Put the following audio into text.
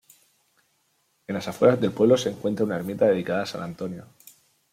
En las afueras del pueblo se encuentra una ermita dedicada a San Antonio.